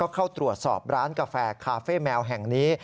เข้าตรวจสอบร้านกาแฟคาเฟ่แมวแห่งนี้